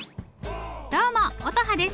どうも乙葉です。